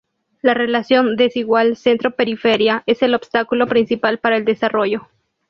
La relación desigual centro-periferia es el obstáculo principal para el desarrollo.